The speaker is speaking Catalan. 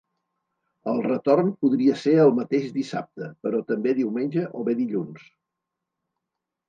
El retorn podria ser el mateix dissabte, però també diumenge o bé dilluns.